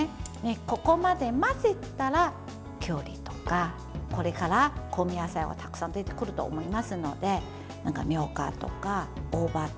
ここまで混ぜたら、きゅうりとかこれから香味野菜はたくさん出てくると思いますのでみょうがとか、大葉とか。